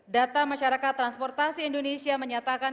data masyarakat transportasi indonesia menyatakan